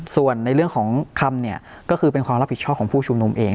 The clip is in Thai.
ส่วนในเรื่องของคำเนี่ยก็คือเป็นความรับผิดชอบของผู้ชุมนุมเอง